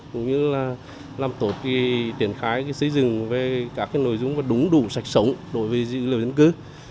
cũng như là làm tốt triển khai xây dựng về các nội dung và đúng đủ sạch sống đối với dữ liệu dân cư